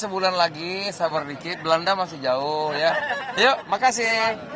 belanda masih jauh